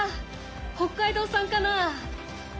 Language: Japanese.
北海道産かな？